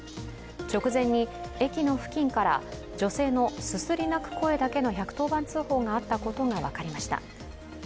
直前に駅の付近から女性のすすり泣く声だけの１１０番通報があったことが分かりました。